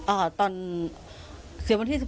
เอ่อตอนเสียวันที่๑๓